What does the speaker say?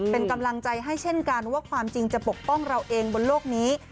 เป็นกำลังใจให้เช่นกันว่าความจริงจะปกป้องเราเองบนโลกนี้